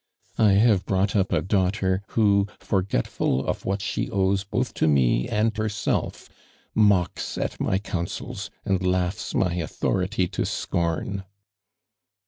"I have brought up a daughter, who, forgetful of what she owes both to me and herself, mocks at my counsels and laughs my authority to scorn."